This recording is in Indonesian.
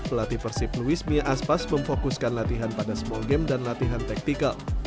pelatih persib luis mia aspas memfokuskan latihan pada small game dan latihan taktikal